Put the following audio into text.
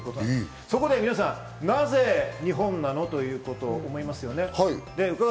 そこで皆さん、なぜ日本なの？と思いますよね。